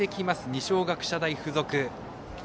二松学舎大付属。